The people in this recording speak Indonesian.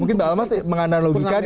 mungkin mbak almas menganalogikan